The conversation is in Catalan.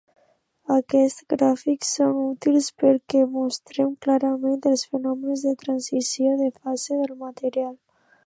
Aquests gràfics són útils perquè mostren clarament els fenòmens de transició de fase del material.